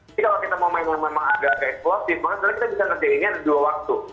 kalau kita mau main yang memang agak agak eksplosif maka sebenarnya kita bisa ngerjainnya ada dua waktu